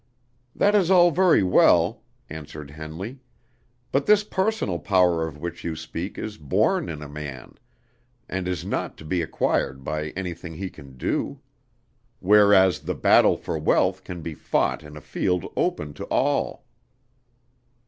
"That is all very well," answered Henley; "but this personal power of which you speak is born in a man, and is not to be acquired by anything he can do; whereas, the battle for wealth can be fought in a field open to all."